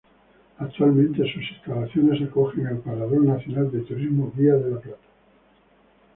Actualmente sus instalaciones acogen el Parador Nacional de Turismo Vía de la Plata.